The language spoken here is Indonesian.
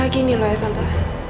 gini loh ya tante